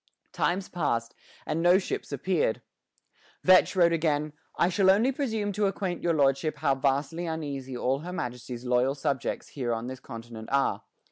Time passed, and no ships appeared. Vetch wrote again: "I shall only presume to acquaint your Lordship how vastly uneasy all her Majesty's loyall subjects here on this continent are.